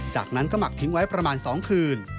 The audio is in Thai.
จากนั้นก็หมักทิ้งไว้ประมาณ๒คืน